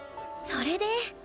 それで。